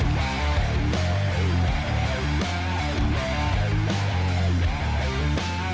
ท่องกาน